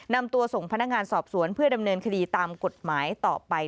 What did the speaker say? นำตัวส่งพนักงานสอบสวนเพื่อดำเนินคดีตามกฎหมายต่อไป